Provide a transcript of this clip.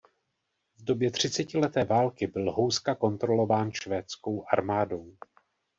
V době třicetileté války byl Houska kontrolován švédskou armádou.